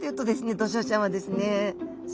ドジョウちゃんはですねす